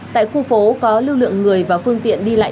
tại khu phố có lưu lượng người và phương tiện đi lại